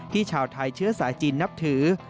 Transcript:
ชาวไทยเชื้อสายจีนนับถือ